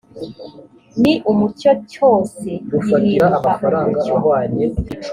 ni umucyo cyose gihinduka umucyo